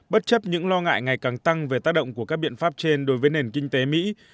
bất chấp những lo ngại ngày càng tăng về tác động của các biện pháp trên đối với nền kinh tế mỹ